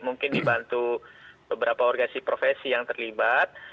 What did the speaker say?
mungkin dibantu beberapa organisasi profesi yang terlibat